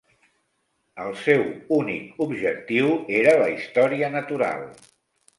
El seu únic objectiu era la història natural.